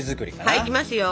はいいきますよ。